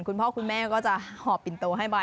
คุณพ่อคุณแม่ก็จะหอบปินโตให้ใบ